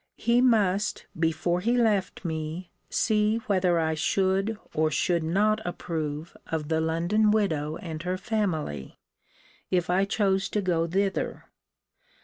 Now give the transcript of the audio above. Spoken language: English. He must, before he left me, see whether I should or should not approve of the London widow and her family, if I chose to go thither.